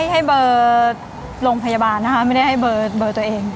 ให้เบอร์โรงพยาบาลนะคะไม่ได้ให้เบอร์ตัวเอง